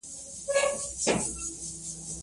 ستا سره به څو کسان راځي؟